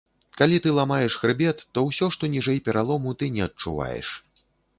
Калі ты ламаеш хрыбет, то ўсё, што ніжэй пералому, ты не адчуваеш.